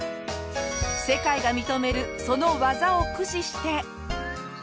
世界が認めるその技を駆使して。